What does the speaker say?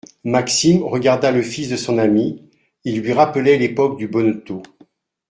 Maxime regarda le fils de son ami. Il lui rappelait l’époque du bonneteau